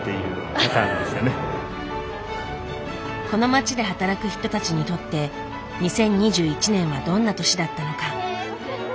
この街で働く人たちにとって２０２１年はどんな年だったのか。